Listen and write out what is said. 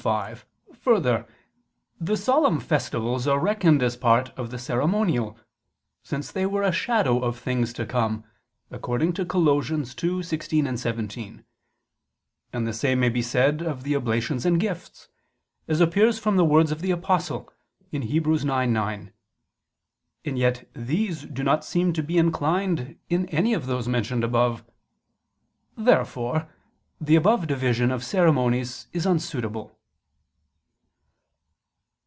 5: Further, the solemn festivals are reckoned as part of the ceremonial: since they were a shadow of things to come (Col. 2:16, 17): and the same may be said of the oblations and gifts, as appears from the words of the Apostle (Heb. 9:9): and yet these do not seem to be inclined in any of those mentioned above. Therefore the above division of ceremonies is unsuitable.